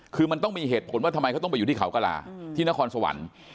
คือมันต้องมีเหตุผลว่าทำไมเขาต้องไปอยู่ที่เขากระลาที่นครสวรรค์